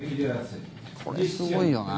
これ、すごいよな。